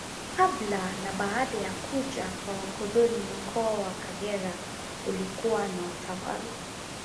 Kabla na baada ya kuja kwa wakoloni Mkoa wa Kagera ulikuwa na utawala